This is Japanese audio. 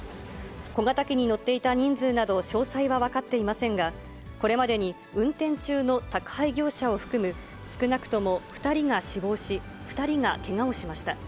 小型機に乗っていた人数など、詳細は分かっていませんが、これまでに運転中の宅配業者を含む、少なくとも２人が死亡し、２人がけがをしました。